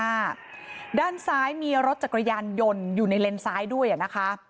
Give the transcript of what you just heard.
ด้านซ้ายมีการทางนี้รถจักรยายันยนตร์อยู่ในเลนซ้ายด้วยครับนะคะ